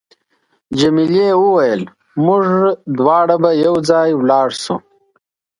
جميلې وويل: موږ دواړه به یو ځای ولاړ شو.